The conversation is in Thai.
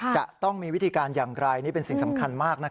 จะต้องมีวิธีการอย่างไรนี่เป็นสิ่งสำคัญมาก